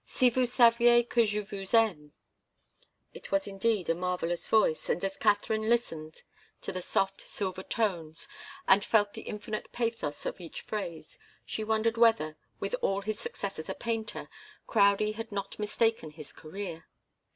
"Si vous saviez que je vous aime." It was indeed a marvellous voice, and as Katharine listened to the soft, silver notes, and felt the infinite pathos of each phrase, she wondered whether, with all his success as a painter, Crowdie had not mistaken his career.